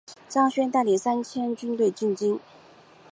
张勋带领三千军队进京。